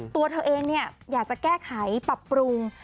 ตัวเธอเองอยากจะแก้ไขปรับปรุง